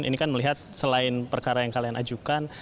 ini kan melihat selain perkara yang kalian ajukan